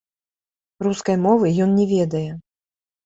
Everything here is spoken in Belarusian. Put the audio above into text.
Рускай мовы ён не ведае.